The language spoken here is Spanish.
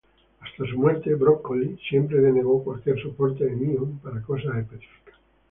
Hasta su muerte Broccoli siempre denegó, cualquier soporte de Eon para cosas específicas.